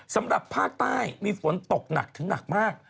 สำหรับภาคใต้มีฝนตกหนักถึงหนักมาก